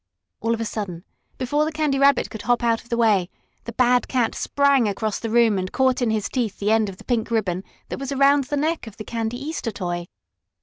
All of a sudden, before the Candy Rabbit could hop out of the way, the bad cat sprang across the room and caught in his teeth the end of the pink ribbon that was around the neck of the Candy Easter toy.